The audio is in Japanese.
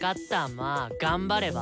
まぁ頑張れば？